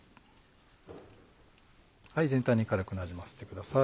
全体にかるくなじませてください。